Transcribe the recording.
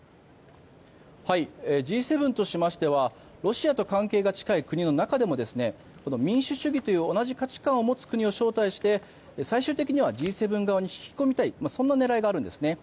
Ｇ７としましてはロシアと関係が近い国の中でも民主主義という同じ価値観を持つ国を招待して最終的にＧ７側に引き込みたいという狙いがあるんですね。